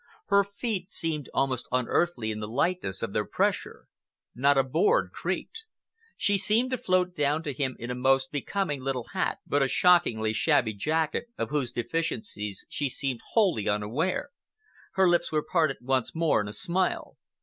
Her feet seemed almost unearthly in the lightness of their pressure. Not a board creaked. She seemed to float down to him in a most becoming little hat but a shockingly shabby jacket, of whose deficiencies she seemed wholly unaware. Her lips were parted once more in a smile.